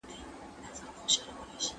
د افغانانو کلتور څنګه وده وکړه؟